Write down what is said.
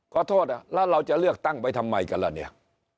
ขอโทษแล้วเราจะเลือกตั้งไปทำไมกันล่ะเนี่ย